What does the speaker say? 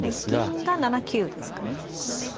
銀が７九ですかね。